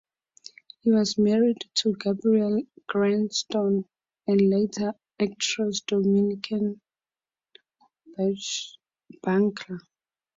He was married to Gilberte Graillot, and later actress Dominique Blanchar.